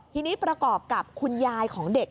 ทีนี้ประกอบกับคุณยายของเด็ก